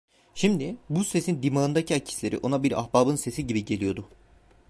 Şimdi bu sesin dimağındaki akisleri ona bir ahbabın sesi gibi geliyordu.